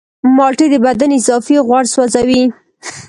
مالټې د بدن اضافي غوړ سوځوي.